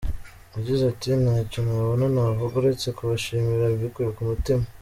Yagize ati “Ntacyo nabona navuga uretse kubashimira mbikuye ku mutima.